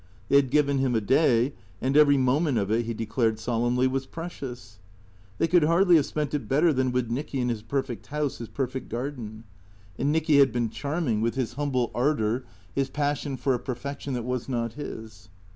They had given him a day, and every moment of it, he declared solemnly, was precious. They could hardly have spent it better than with Nicky in his perfect house, his perfect garden. And Nicky had been charm ing, with his humble ardour, his passion for a perfection that was not his.